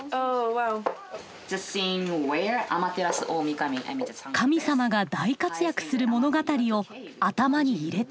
神様が大活躍する物語を頭に入れてもらいます。